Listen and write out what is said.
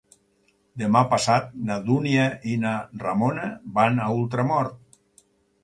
Demà passat na Dúnia i na Ramona van a Ultramort.